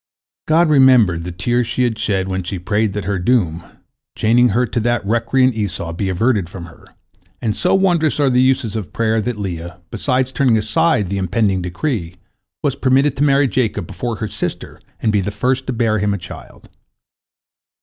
" God remembered the tears she had shed when she prayed that her doom, chaining her to that recreant Esau, be averted from her, and so wondrous are the uses of prayer that Leah, besides turning aside the impending decree, was permitted to marry Jacob before her sister and be the first to bear him a child.